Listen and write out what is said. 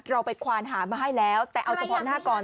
เราไปควานหามาให้แล้วแต่เอาเฉพาะหน้าก่อน